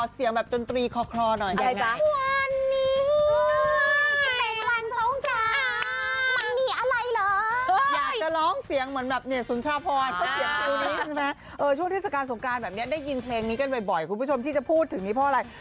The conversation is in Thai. ฟังเสียงแบบดนตรีคอหน่อย